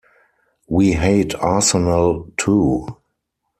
We hate Arsenal, too.